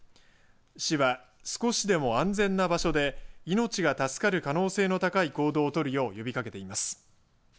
市は少しでも安全な場所で命が助かる可能性の高い行動をとるよう呼びかけています。